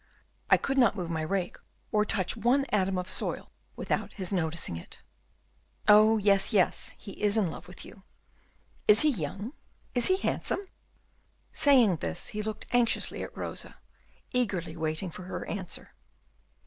I could not move my rake, or touch one atom of soil, without his noticing it." "Oh, yes, yes, he is in love with you," said Cornelius. "Is he young? Is he handsome?" Saying this he looked anxiously at Rosa, eagerly waiting for her answer.